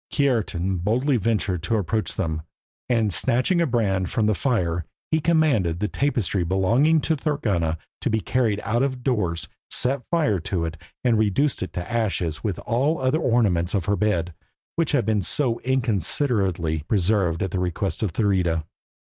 Kiartan boldly ventured to approach them, and, snatching a brand from the fire, he commanded the tapestry belonging to Thorgunna to be carried out of doors, set fire to it, and reduced it to ashes with all the other ornaments of her bed, which had been so inconsiderately preserved at the request of Thurida.